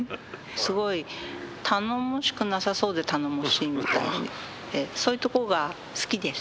すごい頼もしくなさそうで頼もしいみたいでそういうところが好きです。